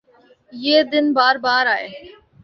یہ دن بار بارآۓ